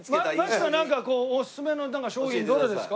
槙さんなんかこうおすすめの商品どれですか？